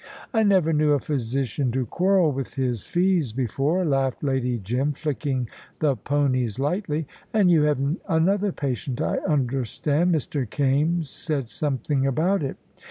"I never knew a physician to quarrel with his fees before," laughed Lady Jim, flicking the ponies lightly; "and you have another patient, I understand Mr. Kaimes said something about it."